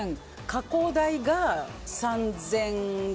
加工代が３５００円